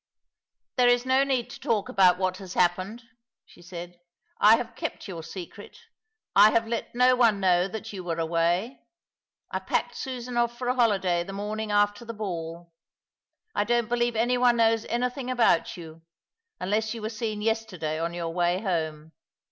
" There is no need to talk about what has happened," she said. "I have kept your secret. I have let no one know that you were away. I packed Susan off for a holiday the morning after the ball. I don't believe any one knows anything about you r unless you were seen yesterday on your way homo."